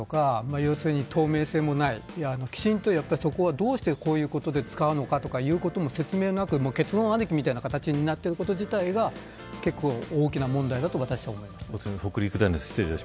要するに透明性もないきちんとそこをどうしてこういうことに使うのかという説明もなく結論ありきという形になってること自体結構大きな問題だと私は思います。